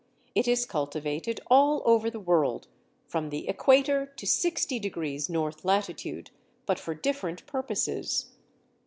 It is cultivated all over the world, from the Equator to 60° north latitude, but for different purposes.